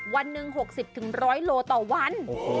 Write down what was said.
วันหนึ่ง๖๐ถึง๑๐๐กิโลกรัมต่อวัน